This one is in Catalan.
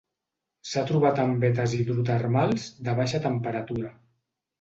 S'ha trobat en vetes hidrotermals de baixa temperatura.